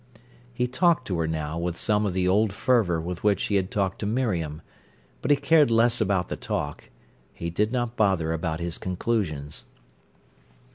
He talked to her now with some of the old fervour with which he had talked to Miriam, but he cared less about the talk; he did not bother about his conclusions.